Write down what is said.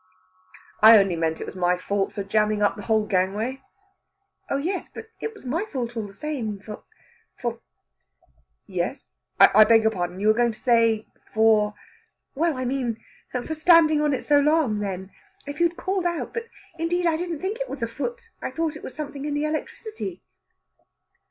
"I only meant it was my fault for jamming up the whole gangway." "Oh yes but it was my fault all the same for for " "Yes I beg your pardon? You were going to say for ?" "Well I mean for standing on it so long, then! If you had called out but indeed I didn't think it was a foot. I thought it was something in the electricity."